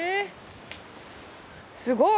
すごい！